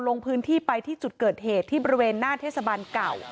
ลงพื้นที่ไปที่จุดเกิดเหตุที่บริเวณหน้าเทศบาลเก่า